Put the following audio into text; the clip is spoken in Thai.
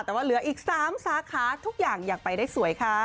แต่ว่าเหลืออีก๓สาขาทุกอย่างอยากไปได้สวยค่ะ